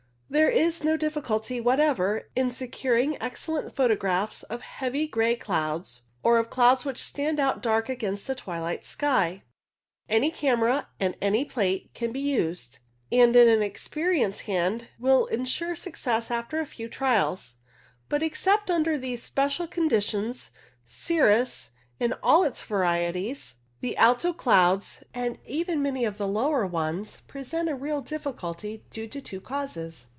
There is no difficulty whatever in securing excellent photographs of heavy grey clouds, or of clouds which stand out dark against a twilight sky. Any camera and any plate can be used, and in an experienced hand will ensure success after a few trials, but except under these special conditions, cirrus, in all its varieties, the alto clouds, and even 165 1 66 CLOUD PHOTOGRAPHY many of the lower ones, present a real difficulty due to two causes.